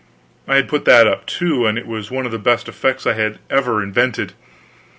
I had put that up, too, and it was one of the best effects I ever invented.